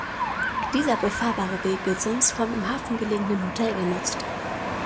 Dieser befahrbare Weg wird sonst vom im Hafen gelegenen Hotel genutzt.